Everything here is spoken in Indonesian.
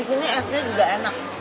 di sini esnya juga enak